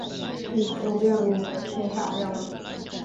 事件任务为线上任务。